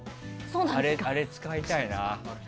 あれ使いたいな。